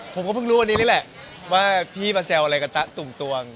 ผมก็เพิ่งรู้วันนี้นี่แหละว่าพี่มาแซวอะไรกับตะตุ่มตวง